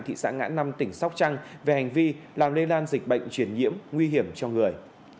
thị xã ngã năm tỉnh sóc trăng về hành vi làm lây lan dịch bệnh truyền nhiễm nguy hiểm cho người